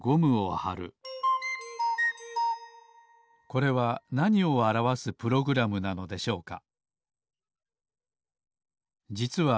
これはなにをあらわすプログラムなのでしょうか？